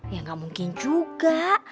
ya gak mungkin juga